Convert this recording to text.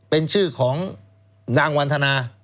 เป็นชื่อของนางวันธนา